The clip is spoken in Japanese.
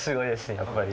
やっぱり。